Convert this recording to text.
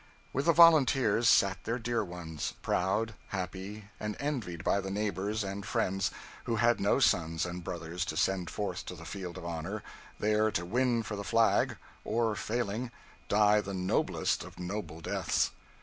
With the volunteers sat their dear ones, proud, happy, and envied by the neighbors and friends who had no sons and brothers to send forth to the field of honor, there to win for the flag, or, failing, die the noblest of noble deaths.